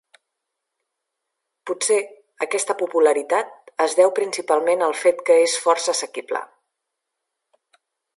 Potser, aquesta popularitat es deu principalment al fet que és força assequible.